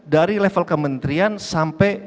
dari level kementrian sampai